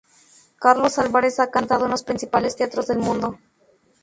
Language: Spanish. Carlos Álvarez ha cantado en los principales teatros del mundo.